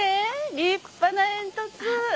立派な煙突。